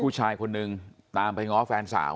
ผู้ชายคนนึงตามไปง้อแฟนสาว